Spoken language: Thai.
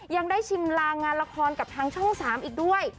ยังได้ชิมลางงานละครกับทางช่อง๓อีกด้วย